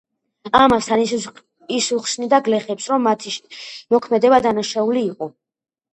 ამასთან ის უხსნიდა გლეხებს, რომ მათი მოქმედება დანაშაული იყო.